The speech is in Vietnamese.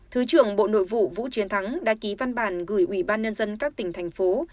thứ trưởng bộ nội vụ vũ chiến thắng đã ký văn bản gửi ubnd các tỉnh thành phố